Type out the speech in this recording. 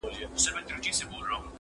شمېریې ډېر دی تر همه واړو مرغانو!.